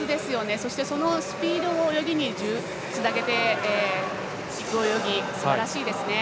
そして、そのスピードをつなげていく泳ぎすばらしいですね。